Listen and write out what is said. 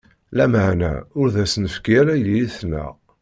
-Lameɛna ur d as-nefki ara yelli-tneɣ.